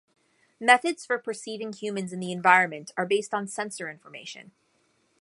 Methods for perceiving humans in the environment are based on sensor information.